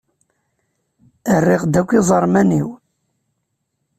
Rriɣ-d akk iẓerman-iw.